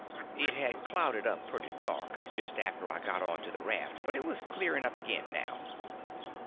It had clouded up pretty dark just after I got on to the raft, but it was clearing up again now.